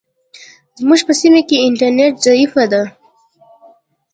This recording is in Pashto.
زموږ په سیمه کې انټرنیټ ضعیفه ده.